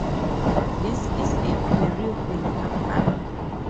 This is a Peruvian company.